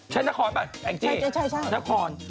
ใช่นครปะแองจินคร